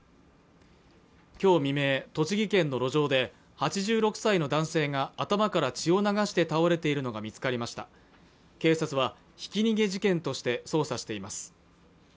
今日未明、栃木県の路上で８６歳の男性が頭から血を流して倒れているのが見つかりました警察はひき逃げ事件として捜査しています